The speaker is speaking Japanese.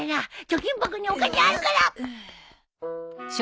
貯金箱にお金あるから！